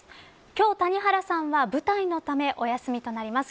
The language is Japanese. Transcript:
今日、谷原さんは舞台のためお休みとなります。